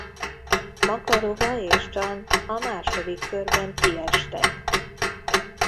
Makarova és Csan a második körben kiestek.